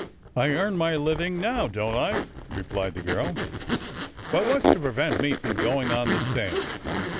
I earn my living now, don't I?" replied the girl. "Well, what's to prevent me going on the same?"